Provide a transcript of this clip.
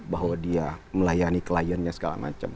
bahwa dia melayani kliennya segala macam